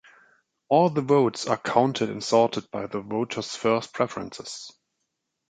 All the votes are counted and sorted by the voters' first preferences.